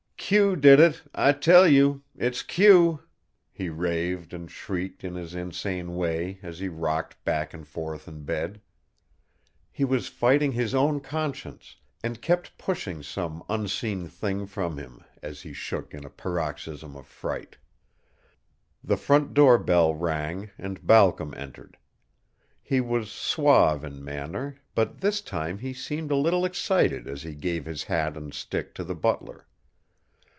"Q did it, I tell you it's Q," he raved and shrieked in his insane way as he rocked back and forth in bed. He was fighting his own conscience, and kept pushing some unseen thing from him as he shook in a paroxysm of fright. The front door bell rang and Balcom entered. He was suave in manner, but this time he seemed a little excited as he gave his hat and stick to the butler.